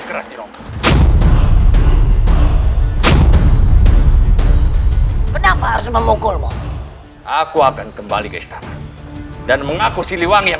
bertahun tahun aku bersahabat dengan prabu siliwangi